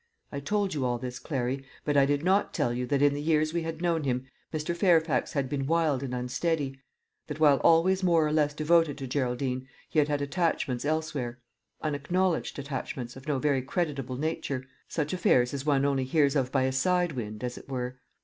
I told you all this, Clary; but I did not tell you that in the years we had known him Mr. Fairfax had been wild and unsteady; that, while always more or less devoted to Geraldine, he had had attachments elsewhere unacknowledged attachments of no very creditable nature; such affairs as one only hears of by a side wind, as it were.